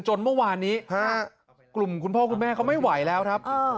จนเมื่อวานนี้กลุ่มคุณพ่อคุณแม่เขาไม่ไหวแล้วครับ